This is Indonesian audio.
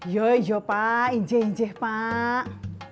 yoy ya pak inje inje pak